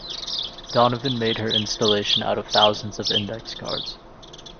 Donovan made her installation out of thousands of index cards.